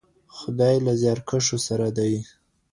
خدای له زیارکښو سره دی.